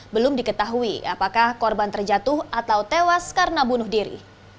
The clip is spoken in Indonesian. belum diketahui apakah korban terjatuh atau tewas karena bunuh diri